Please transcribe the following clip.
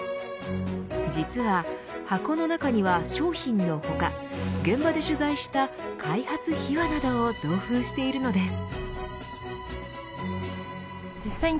実は、箱の中には商品の他現場で取材した開発秘話などを同封しているのです。